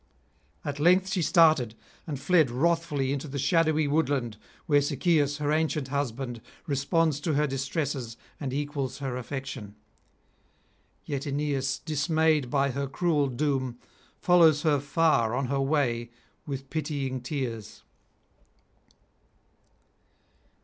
At length she started, and fled wrathfully [473 508]into the shadowy woodland, where Sychaeus, her ancient husband, responds to her distresses and equals her affection. Yet Aeneas, dismayed by her cruel doom, follows her far on her way with pitying tears.